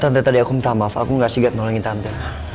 tante tadi aku minta maaf aku gak sigap nolongin tante